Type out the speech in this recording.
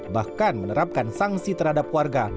bahkan menerapkan sanksi terhadap warga